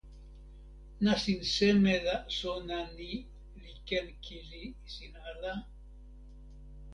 nasin seme la sona ni li ken kili sin ala?